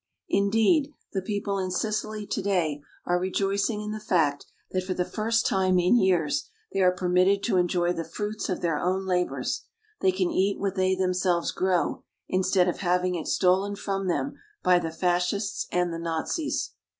Indeed, the people in Sicily today are rejoicing in the fact that for the first time in years they are permitted to enjoy the fruits of their own labors they can eat what they themselves grow, instead of having it stolen from them by the Fascists and the Nazis.